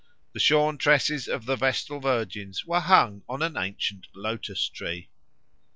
The shorn tresses of the Vestal Virgins were hung on an ancient lotus tree.